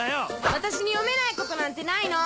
私に読めないことなんてないの！